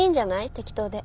適当で。